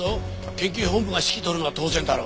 県警本部が指揮執るのは当然だろ。